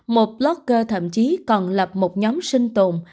một plockcha thậm chí còn lập một nhóm sinh tồn